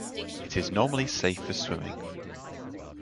It is normally safe for swimming.